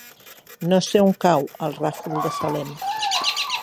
No sé on cau el Ràfol de Salem.